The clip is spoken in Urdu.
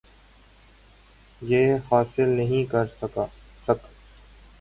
ی حاصل نہیں کر سک